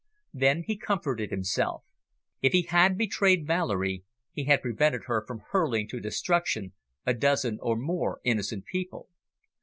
Then he comforted himself. If he had betrayed Valerie, he had prevented her from hurling to destruction a dozen or more innocent people.